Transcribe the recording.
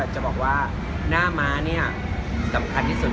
จะบอกว่าหน้าม้าเนี่ยสำคัญที่สุด